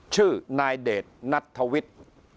ชื่อนายเดชนัทธวิทย์